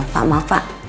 pak maaf pak